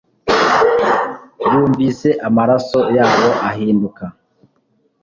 yumvise amaraso yabo ahinduka